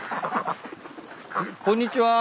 こんにちは。